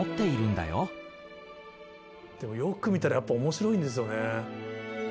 でもよく見たらやっぱ面白いんですよね。